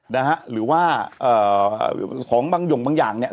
นะฮะหรือว่าเอ่อของบางหย่งบางอย่างเนี่ย